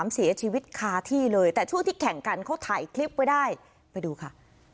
เสียชีวิตคาที่เลยแต่ช่วงที่แข่งกันเขาถ่ายคลิปไว้ได้ไปดูค่ะ